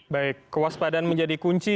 baik kewaspadaan menjadi kunci